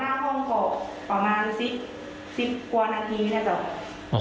อ๋อเขามาหน้าห้องเขาประมาณสิบสิบกว่านาทีนะเจ้า